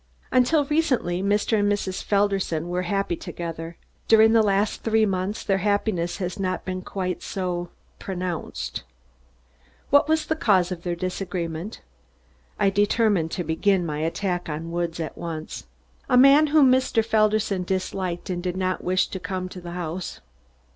"Until recently Mr. and Mrs. Felderson were very happy together. During the last three months their happiness has not been quite so pronounced." "What was the cause of their disagreement?" I determined to begin my attack on Woods at once. "A man whom Mr. Felderson disliked and did not wish to come to the house."